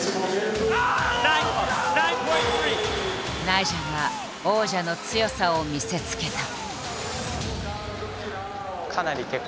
ナイジャが王者の強さを見せつけた。